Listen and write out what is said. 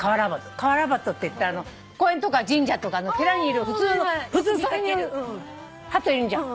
カワラバトっていったら公園とか神社とか寺にいる普通のその辺にいるハトいるじゃん。